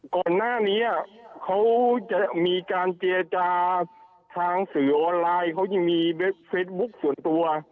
ก่อนหน้านี้เขาจะมีการเจรจาทางสื่อออนไลน์เขายังมีเฟซบุ๊คส่วนตัว